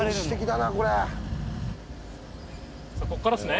さあこっからですね。